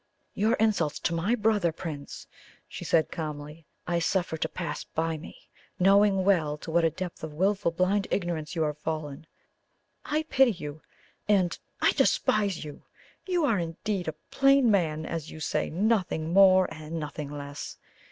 "Your insults to my brother, Prince," she said calmly, "I suffer to pass by me, knowing well to what a depth of wilful blind ignorance you are fallen. I pity you and I despise you! You are indeed a plain man, as you say nothing more and nothing less.